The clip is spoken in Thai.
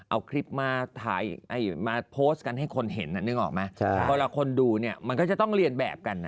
เอาคลิปมาถ่ายมาโพสต์กันให้คนเห็นนึกออกไหมเวลาคนดูเนี่ยมันก็จะต้องเรียนแบบกันนะ